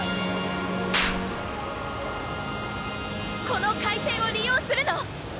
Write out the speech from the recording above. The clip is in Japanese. この回転を利用するの！ＯＫ！